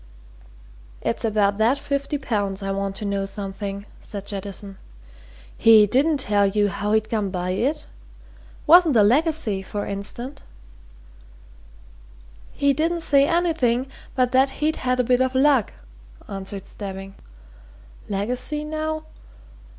"It's about that fifty pounds I want to know something," said Jettison. "He didn't tell you how he'd come by it? Wasn't a legacy, for instance?" "He didn't say anything but that he'd had a bit of luck," answered Stebbing. "I asked no questions. Legacy, now?